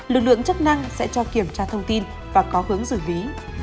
lực lượng chức năng sẽ cho kiểm tra thông tin và có hướng giữ ví